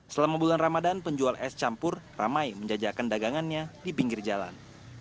selama bulan ramadan penjual es campur ramai menjajakan dagangannya di pinggir jalan